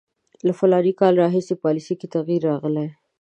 له فلاني کال راهیسې پالیسي کې تغییر راغلی.